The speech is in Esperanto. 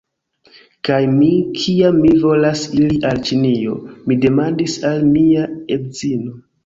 Kaj mi, kiam mi volas iri al Ĉinio, mi demandis al mia edzino: